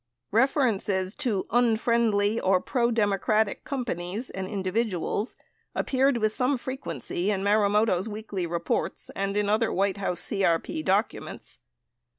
References to "unfriendly" or pro Democratic companies and in dividuals appeared with some frequency in Marumoto's weekly re ports and in other White House CRP documents.